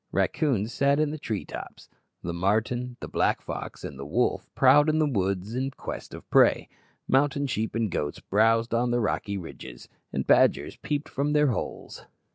Racoons sat in the tree tops; the marten, the black fox, and the wolf prowled in the woods in quest of prey; mountain sheep and goats browsed on the rocky ridges; and badgers peeped from their holes.